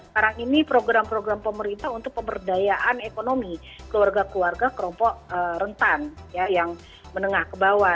sekarang ini program program pemerintah untuk pemberdayaan ekonomi keluarga keluarga kelompok rentan yang menengah ke bawah